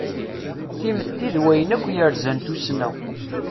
Timetti d wayen akk yerzan tussna.